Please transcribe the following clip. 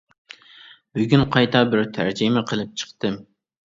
بۈگۈن قايتا بىر تەرجىمە قىلىپ چىقتىم.